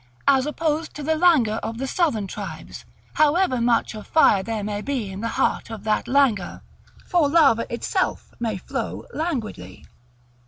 as opposed to the languor of the Southern tribes, however much of fire there may be in the heart of that languor, for lava itself may flow languidly.